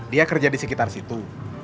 dia kerja disekitar situ